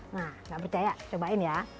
nah nggak percaya cobain ya